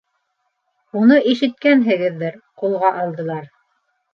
Уны, ишеткәнһегеҙҙер, ҡулға алдылар.